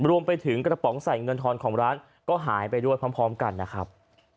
รวมไปถึงกระป๋องใส่เงินทอนของร้านก็หายไปด้วยพร้อมกันนะครับ